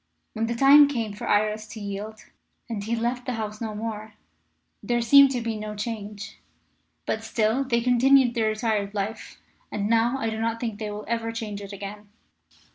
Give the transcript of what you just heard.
When the time came for Iris to yield, and he left the house no more, there seemed to be no change. But still they continued their retired life, and now I do not think they will ever change it again.